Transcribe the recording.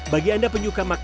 bagi anda penyuka makanan